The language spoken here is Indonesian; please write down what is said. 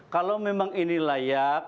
kalau memang ini layak